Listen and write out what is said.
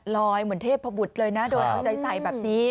เหมือนเทพบุตรเลยนะโดนเอาใจใส่แบบนี้